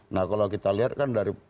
nah kalau kita lihat kan dari